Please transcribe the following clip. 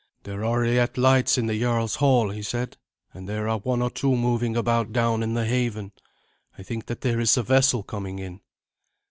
"There are yet lights in the jarl's hall," he said, "and there are one or two moving about down in the haven. I think that there is a vessel coming in."